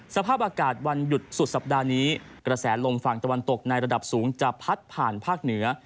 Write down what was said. สภาพอากาศวันหยุดสุดสัปดาห์นี้กระแสลมฝั่งตะวันตกในระดับสูงจะพัดผ่านภาคเหนือ